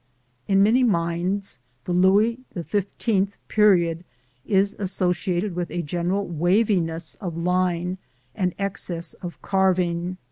In many minds the Louis XV period is associated with a general waviness of line and excess of carving.